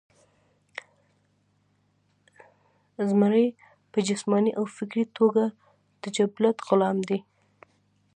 ازمرے پۀ جسماني او فکري توګه د جبلت غلام دے